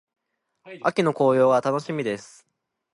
秋の紅葉が楽しみです。